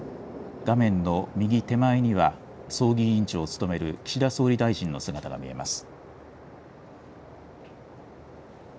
画面の右手前には、葬儀委員長を務める岸田総理大臣の姿が見えます。